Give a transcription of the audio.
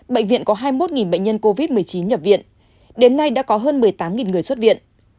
bệnh viện có hai mươi một bệnh nhân covid một mươi chín nhập viện đến nay đã có hơn một mươi tám người xuất viện